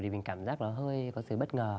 thì mình cảm giác nó hơi có sự bất ngờ